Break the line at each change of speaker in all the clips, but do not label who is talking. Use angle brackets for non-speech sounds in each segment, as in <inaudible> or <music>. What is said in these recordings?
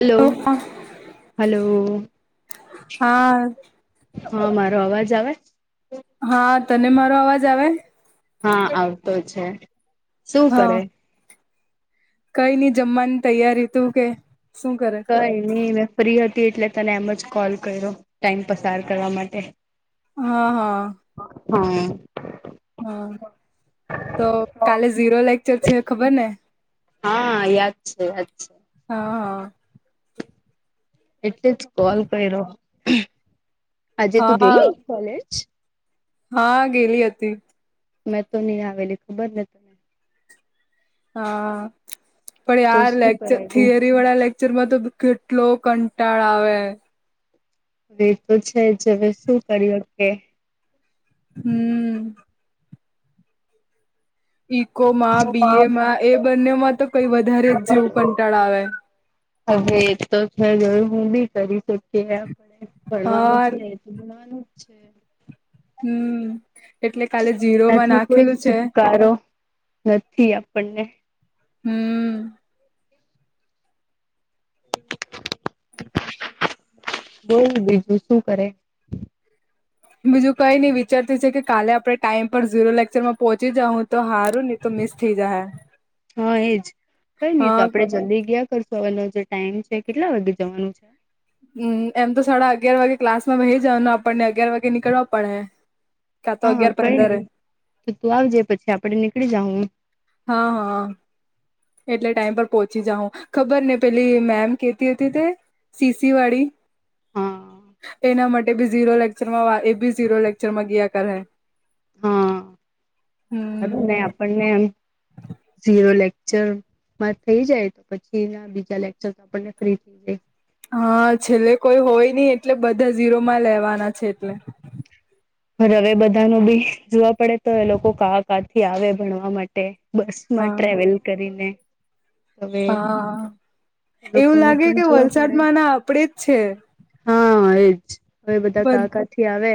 Hello
હા
hello! હા મારો અવાજ આવે?
હા તને મારો અવાજ આવે?
હા આવતો છે શું
હા
કરે?
કઈ નઈ જમવાની તૈયારી તું કે શું કરે?
ક એની મેં ફ્રી હતી એટલે તને એમ જ કોલ કર્યો ટાઈમ પસાર કરવા માટે,
હા હા
હા
હા તો કાલે ઝીરો લેક્ચર છે ખબર ને?
હા યાદ છે યાદ છે.
હા હા
એટલે જ કોલ કર્યો આજે તું
હા
ગેલી? કોલેજ
હા ગેલી હતી.
મેં તો નહીં આવેલી ખબર ને તને
હા પણ
તો
આાર
શું
લેક્ચર
કરાવ્યું
થિયરી વાળા લેકચ ચરમાં તો કેટલો કંટાળ આવે,
હવે તો છે જ હવે શું કર્યું કે?
હમ ઈકોમાં બી એમાં એ બંને માં તો કઈ વધારે જ જેવું કંટાળ આવે.
હવે એ તો છે જોયું હું બી કરી શકીએ આપણે ભણવાનું
હા
છે. ગણાનું જ છે <unintelligible>
હમ એટલે કાલે
હવે
જીરોમાં
એનાથી કોઈ
નાખેલું છે
છુટકારો નથી આપણને,
હમ
બઉ બીજું શું કરે?
બીજુ કઈ નઈ વિચારતી છે કે કાલે આપડણે ટાઈમ પર ઝીરો લેક્ચર માં પોહોચી જાઉ હું તો હારું ને, તો મિસ થઈ જાય હે
<inaudible> હા એજ કઈ
અ
નહી તો આપડે જલ્દી ગયા કરશું હવેનો જે ટાઈમ છે કેટલા વાગે જવાનું છે.
હમ એમ તો સાડા અગિયાર વાગે ક્લાસમાં વહી જવાનું આપણને અગિયાર વાગે નીકળવા પડે. કા તો
હા
અગિયાર
કઈ નહી
પંદરે
તો તું આવજે પછી આપડે નીકળી જાહુ
હા હા એટલે ટાઈમ પર પહોંચી જાઉં ખબર ને પેલી મેમ કેતી હતી તે? સીસીવાડી
હા
એના માટે બી ઝીરો લેક્ચરમાં એ બી ઝીરો લેક્ચરમાં ગયા કરે.
હા
હમ
સારું ને આપણને ઝીરો લેકચર- માર થઈ જાય તો પછી ના બીજા લેક્ચર આપણને ફ્રી થઈ જાય.
હા છેલ્લે કોઈ હોય નહી એટલે બધા ઝીરો માં લેવાના છે એટલે!
હવે બધા ન બી જોવા પડે તો એ લોકો કા કાથી આવે ભણવા માટે, બસ માં
હા
ટ્રાવેલ કરીને, હવે
હા
એ
એવું
લોકોનું
લાગે
પણ
કે
જોવા પડે
વલસાડમાં ના આપડે જ છે.
હા એજ હવે બધા કા
બધ
કા થી આવે?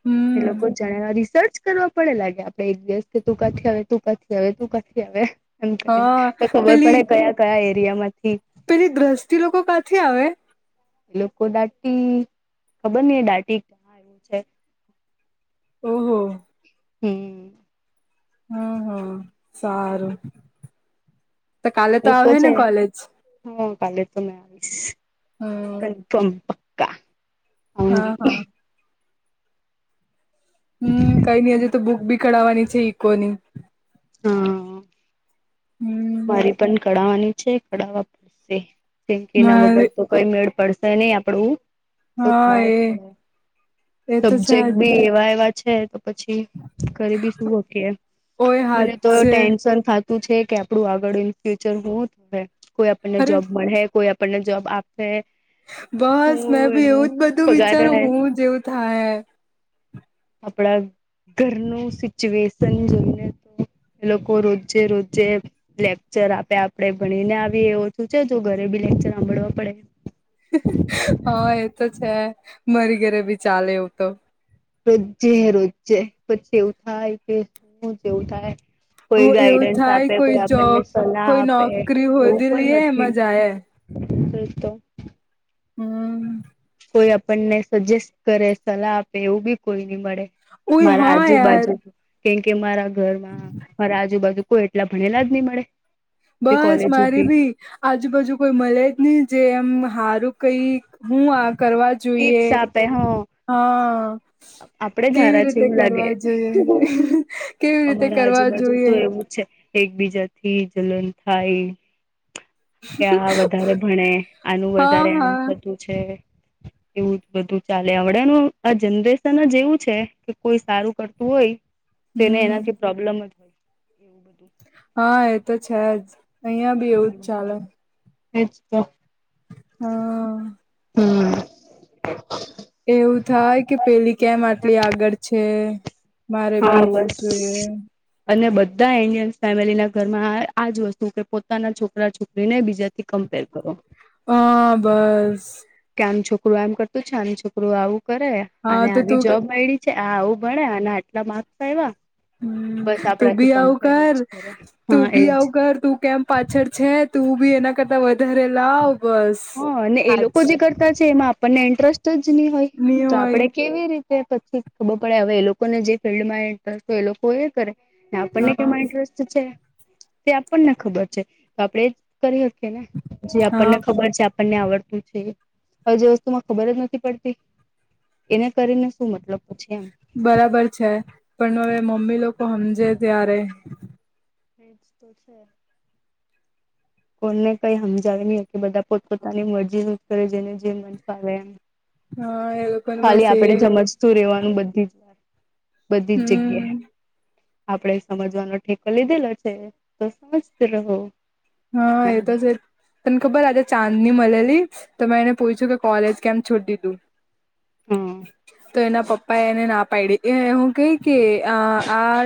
હમ
એ લોકો જાણે રિસર્ચ કરવા પડે લાગે આપડે એક દિવસ કે તું કાથી આવે તું કાથી આવે તું કાથી આવે? એમ
હા
કરીને તો ખબર
પેલી
પડે કયા કયા એરિયા માંથી
પેલી ગ્રસ્તી લોકો કાંથી આવે
એ લોકો દાટી, ખબર ન એ દાટી હા, એવું છે.
ઓહ
હમ
હમ હમ સારું તો કાલે તો આવે ને કોલેજ
હ કાલે, તો મે આવીશ
હમ
કન્ફર્મ પક્કા
હા-હા
આઉંગી
હમ કઈ નઈ હજે તો બુક બી ખઢાવવાની છે, ઇકોની
હા મારે
હમ
પણ કઢાવવાની છે, કઢાવવા પડશેંકી ના
મારે
વગર તો કોઈ મેળ પડશે નહી, આપડુ તો ખ
હા એ
પડે
એ તો છે
સબ્જેક્ટ
જ.
બી એવા એવા છે, તો પછી કરીબી શું હકી
ઓય
મને
હાથ
તો
છે
ટેન્શન થતું છે, કે આપું આગળ ઈન ફ્યુચર હુ, કોઈ આપણને
અરે
જોબ મળે કોઈ આપણને જોબ આપે
બસ મેં
હું
બી
એનું
એવું જ બધું
પગાર
વિચારું
રહે
હુ, જેવું થાય
આપણા ઘરનું સિચ્યુએશન જોઈને, તો એ લોકો રોજે રોજે લેકચર આપે આપડે ભણીને આવીએ એવો શું છે, જો ઘરે બી લેક્ચર સાંભળવા પડે
હા એ તો છે, મારી ઘરે ભી ચાલે એવું તો
રોજે રોજે પછી એવું થાય કે શું એવું થાય. કોઈ
હું એવું
ગાઈડન્સ
થાય
આપે કોઈ આપણને
જોબ
સલાહ
કોઈ
આપે
નોકરી
એવું
હોધી
પણ
લઈએ
નથી.
એમાં જાય
શ તો
હમ
કોઈ આપણને સજેસ્ટ કરે સલાહ આપે એવું બી કોઈ નની મળે
ઓય
મારા
હા યાર
આજુબાજુ કેમ કે મારા ઘરમાં મારા આજુબાજુ કોઈ એટલા ભણેલા જ નહી, મળે જે
બસ
કોલેજ
મારી
સુધી
ભી આજુબાજુ કોઈ મળે જ નહી જે એમ સારું કઈ હુ, આ કરવા જોઈએ
ટીપ્સ આપે હ
હા
આપડે જ
કેવી
હારા છે
રીતે
એવું લાગે
કરવા જોઈએ કેવી રીતે
અમારા
કરવા
આજુબાજુ તો
જોઈએ
એવું જ છે. એકબીજા થી જલન થાય. કે આ વધારે ભણે આનું
હા
વધારે આમ
હા
થતું છે. એવું જ બધું ચાલે આવડનું આ જનરેશન જ એવું છે, કે કોઈ સારું કરતું હોય તોને
હમ
એનાથી પ્રોબ્લેમ જ હોય એવું બધુ
હા, એ તો છે, જ અહિયાં બી એવું જ ચાલે
એ જ તો
હા
હમ
એવું થાય કે પેલી કેમ આટલી આગળ છે. મારે
હા
ભી હોવું
બસ
જોઈએ.
અને બધા એન્ડિય ફેમિલી ના ઘરમાં આજ વસ્તુ કે પોતાના છોકરા, છોરા જો બીજા થી કમ્પેર કરો
પા બસ
કે આનું છોકરું એમ કરતું છે, આનું છોકરું આવું કરે
હા
અને
તો
આવી
તું
જોબ મળડી આ આવું ભણ્યા અને આટલા માર્ક્સ આવ્યા
હમ
બસ
તું
આપણાથી
બી આવું
કમ્પેર જ
કર
કરે
તું
હા
બી
એજ
આવું કર તું કેમ પાછળ છે. તું બી એના કરતા વધારે લાવ બસ
હા અને એ
આજ
લોકો જે કરતા છે એમાં આપણને ઇન્ટરેસ્ટ જ નહી હોય
ની
તો આપડે
હોય
કેવી રીતે. કે પછી ખબર પડે હવે એ લોકોને જે ફિલ્ડ માં ઇન્ટરેસ્ટ હોય એ લોકો એ કરે. આપણને
હા
કેમાં ઇન્ટરેસ્ટ છે તે આપણને ખબર છે તો આપણે. કરી શ ને જે આપણને.
હા
ખબર છે આપણને આવડતું છે હવે જે વસ્તુ માં ખબર જ નથી પડતી. એને કરીને શું મતલબ પૂછે એમ.
બરાબર છે પણ હવે મમ્મી લોકો સમજે ત્યારે.
એ જ તોશે. કોને કઈ સમજાવે નહી કે બધા પોતપોતાની મરજી કરે જેને જે મન આવેે એ.
હા એ. લોકોને
ખાલી
બસ એ
આપણેે સમજતું રહેેવાનું બધી જ વા બધી જ જગ્યાએ.
હમ
આપડે સમજવાનો ઠેકો લીધેલો છે તો સમજ રહો.
હા એ
એમ
તો જ. તમને ખબર આજે ચાંદની મળેલી તો મેં એને પૂછું કે કોલેજ કેમ છોડી દીધું.
હા
તો એના પપ્પા. પ એને ના પાડી એ હું કહી કે આ આ.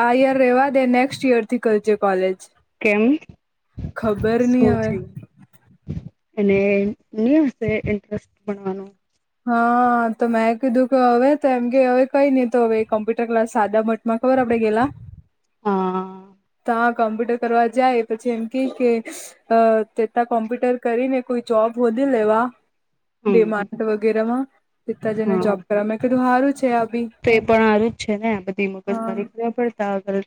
આ ઈયર રેવા દે નેક્સ્ટ ઈયર થી કરજે કોલેજ.
કેમ
ખબર નહી
શું
હવે
થું. અને હ ઇન્ટસ્ટણવાનું.
હા તો મેં કીધું કે હવે તો એમ કે હવે કઈ નહી તો હવે કોમ્પ્યુટર ક્લાસ સાદા માટે. મ કબર આપડે ગેલા.
<inaudible> હા
તો કોમ્પ્યુટર કરવા જાય પછી એમ કે કે. અ તેતા કોમ્પ્યુટર કરીને કોઈ જોબ વધી લેવા.
હમ
ડિમાડ વગેરેમાં પતાજને
હા
જોબ કર મે કીધું સારું છે આ બી.
તો એ પણ આરું જ છે ને બધી મગજ
હા
મારી પડતા આગળ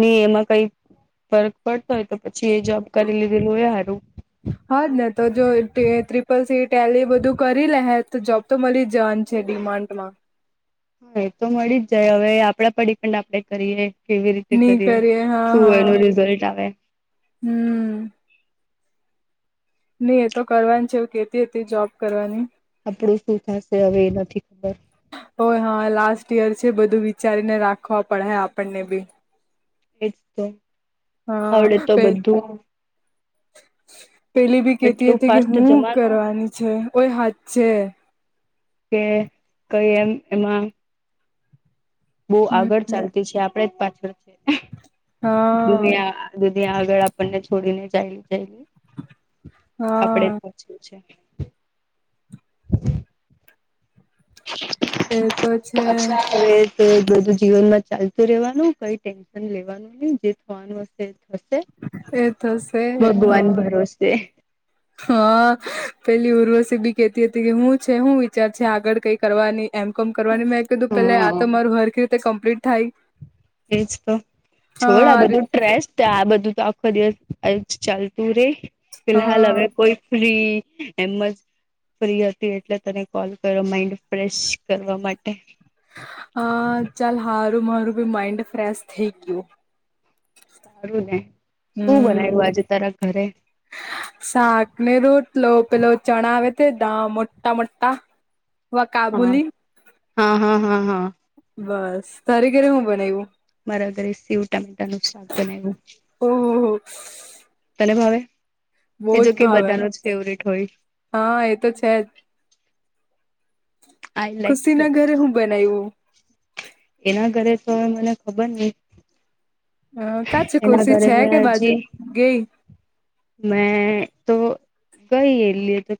ની એમાં કઈ. ફરક પડતો હોય તો પછી એ જોબ કરી લીધેલું હોય સારું.
હાજ ને તો જો ટ્રિપલ સી ટેન એ બધું કરી લે હે તો જોબ તો મળી જ!?. જે ડિમાન્ડમાં.
હા એ તો મળી જ જાય હવે આપણા પર ડિપેન્ડ આપડે કરીએ. કેવી રીતે
નહી
કરીએ
હા
શુંય
હા
એનો રિઝલ્ટ આવે.
હમ. નહી એ તો કરવાની છે કેતી હતી જોબ કરવાની.
આપડું શું થશે હવે એ નથી ખબર.
ઓ હા લાસ્ટ યર છે બધું વિચારીને રાખવા પડે આપણને બી.
એજ તો
હા
આવડે તો
પે
બધું.
પેલી બી કેતી
એટલું
હતી કે
ફાસ્ટ
હું
જમાનું
કરવાની છે. ઓઈ હાથ છે.
કે કઈ એમ એમાં. બહુ આગળ
હમ
ચાલતી છે આપડે જ પાછળ છે.
હા
ધી આગળ આપણને છોડીને જાયલી જાયલી આપડે
હા
પાછી છે.
એ તો છે
અચા આવે. તો બધું જીવનમાં ચાલતું રહેવાનું કઈ ટેન્શન લેવાનું નહી જે થવાનું હશે થશે.
એ થશે
ભગવાન
હા
ભરોસે.
હા પેલી ઉર્વસીબી કેતી હતી કે હું છે હું વિચાર છે આગળ કઈ કરવાની. એમ કોમ કરવાની મેં કીધું પેલા આ તો
હમ
મારુ હરખી રીતે કમ્પ્લીટ થાય.
એજ તો છોડા
હા
બધું ટ્રેસ. તો આ બધું તો આખો દિવસ ચાલતું રે ફિલહાલ હવે
હા
કોઈ ફ્રી એમ જ ફ્રી હતી એટલે તને કોલ કરો માઈન્ડ ફ્રેશ કરવા માટે
હ ચાલ હારું મારું ભી માઇન્ડ ફ્રેશ થઈ ગયું.
સારું ને શું
હમ
બનાઇવુ આજે તારા ઘરે
શાક ને રોટલો પેલો ચણા આવે તે દા મોટા મોટા વા
હા
કાબુલી
હા હા હા હા
બસ તારે ઘરે હું બનાઈવુ?
મારા ઘરે સીવ ટામેટા નું શાક બનાયવુ
ઓહો
તને ભાવે? એ
બોઉજ
જો કે
ભાવે
બધાનો જ ફેવરેટ હોય
હા એ તો છે જ.
આઈ લાઈક
ખુશી ના ઘરે હું બનાઈવુ?
એના ઘરે તો મને ખબર નહીં.
હ કા છે ખુશી
ઘરે
છે
મેં
કે બાજુ
હજી
ગઈ?
મેં તો ગઈ એલી તો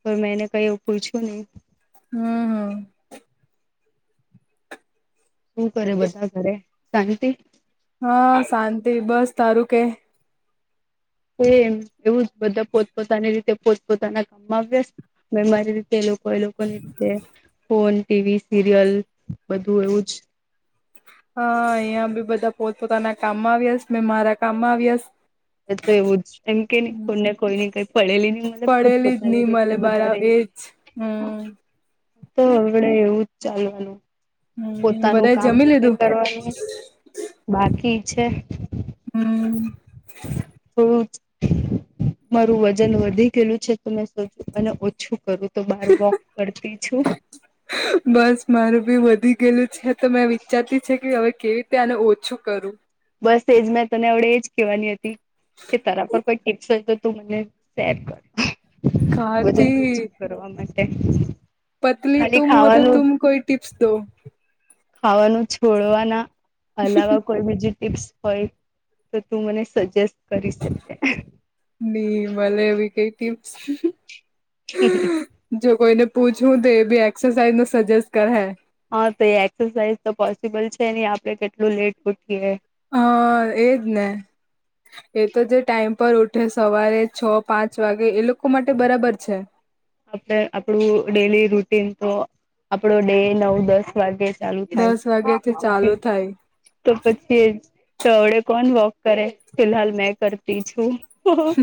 પણ મેંને કઈ એ પૂછ્યું નહી.
હમ્મ હમ્મ.
હુ કરે બધા ઘરે શાંતિ?
હા શાંતિ બસ તારું કે?
એમ એવું જ બધા પોતપોતાની રીતે પોત પોતાના કામમાં વ્યસ્ત મે મારી રીતે લોકો. કો એ લોકોની રીતે ફોન ટીવી સિરિયલ બધું એવું જ.
હા અહંયા બી બધા પોતપોતાના કામમાં આવ્યાસ મે મારા કામમાં આવ્યાસ.
તો એવું જ એમ કે નહી કોને કોઈની કઈ પડેલી નહી
પડેલી
મારી રીતે વધારે.
જ હમ્મ.
તો હવડે એવું જ ચાલવાનું.
હમ
પોતાનું
બધા
કામ
જમી
પોતે
લીધું
કરવાનું બાકી છે.
હમ્મ
<unintelligible> મારું વજન વધી ગયેલું છે તો મે સોચુ મને ઓછું કરું. તો બાર વોક કરતી છું.
બસ મારું બી વધી ગયેલું છે તો મેં વિચારતી છે કે હવે કેવી રીતે આને ઓછું કરું.
બસ એજ મેં તને હવ્ડે એજ કહેવાની હતી. કે તરા પર કોઈ ટીપ્સ હોય તો તું મને શેર કર. વજન
ખાતી
ઓછું કરવા માટે.
પતલી
ખાલી
તુમ હો તો
ખાવાનું
તુમ કોઈ ટિપ્સ દો.
ખાવાનું છોડવાના અલાવા. કોઈ બીજી ટીપ્સ હોય તો તું મને સજેસ્ટ કરી શકે.
ની મલે એવી કઈ ટીપ્સ.
હ હ
જો કોઈને પૂછવું તો એ બી એક્સરસાઇઝ નો સજેસ્ટ કરે.
હા તો એ એક્સરસાઇઝ તો પોસિબલ છે નહી આપડે કેટલું લેટ ઉઠીએ.
હા એજ ને. એ તો જે ટાઈમ પર ઉઠે સવારે છ પાંચ વાગે એ લોકો માટે બરાબર છે.
આપણું ડેલી રૂટીન તો આપડો ડે નવ દસ વાગે. ચાલુ
દસ
થાય
વાગ્યા
તો
થી ચાલુ
પછી
થાય.
તો પછી તોડે કોન વોક કરે ફિલહાલ મેં કરતી છું.
હ હ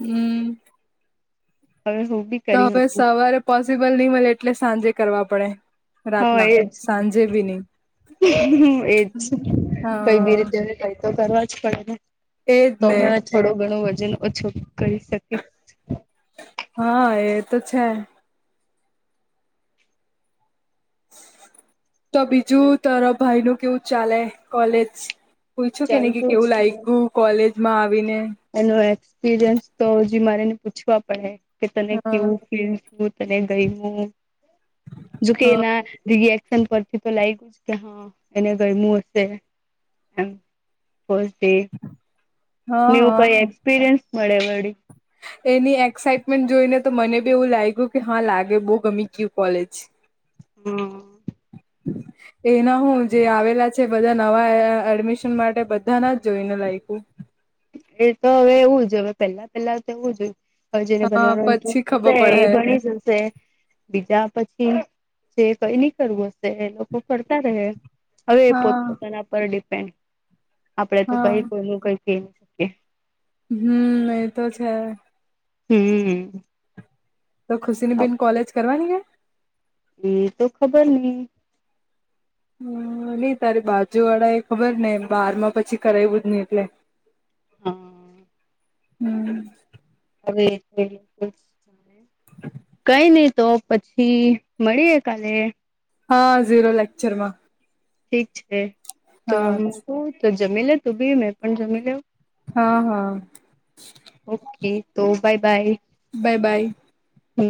હમ.
અવે હું બી.
તો
કરી
હવે
શકું
સવારે પોસિબલ નહી મળે એટલે સાંજે કરવા પડે.
હા
રાતના
એજ
સાંજે બી નઈ.
એજ કઈ બી
હા.
રીતે હવે કઈ તો કરવા જ તો
એજ ને
હવે થોડું ઘણું વજન ઓછું કરી શકીશ
હા એ તો છે. તો બીજું તર ભાઈ ન કેવું ચાલે કોલેજ? પૂછું કે નહી કે
ચાલતું
કેવું
છે
લાયકું કોલેજ માં આવીને.
એનો એક્સપિરિયન્સ તો હ મારેને પૂછવા પડે કે તને
હા.
કેવું ફીડ. હું તને ગઈ હું કે નાીગ શન પરથી તો લાગ ગ્યું કે હા એને ગમું હશે એમ પોઝતે
હા
ન્યવ કઈ
હા
એક્સપિરિયન્સ મળે એ વળી
એની એક્સાાઈટમેન્ટ જોઈને તો મને બી એવું લાગ્યું કે હા લાગે બહુ ગમી ગયું કોલેજ <unintelligible>
હમ
એના હું જે આવેલા છે બધા નવા એડમિશન માટે બધા ના જ જોઈને લાયકું
એ તો હવે એવું જ હવે પેલા પેલા તોવું જોય જેને
હા
બનવાનો
પછી
ઇન્ટરેસ્ટ હશે
ખબર
એ
પડે
ભણી જશે બીજા પછી જે કઈ નઈ કરવું હ લોકો કરતા રહે હવે એ
હા
પોતપતાના પર ડિપેન્ડ આપડે તો
હા
કઈ કોઈ કઈ કે
હમ એતો છે
હમ
તો ખુશી ની બેેન કોલેજ કરવાની કે
એ તો ખબર નઈ
હ નઈ તારે બાજુ વાળા એ ખબર ને બાર માં પછી કરાવવું જ નહી એટલે
હમ
હમ
હવે <unintelligible> કઈ નહી તો પછી મળીએ કાલે
હા ઝીરો લેક્ચરમાં
ઠીક છે
હા
તોકું તો જમી લે તું બી મેં પણ જમી લેવ
હા હા
ઓકે તો બાય બાય
બાય બાાય